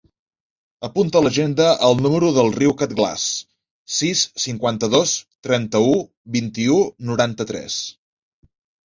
Apunta a l'agenda el número del Riu Quetglas: sis, cinquanta-dos, trenta-u, vint-i-u, noranta-tres.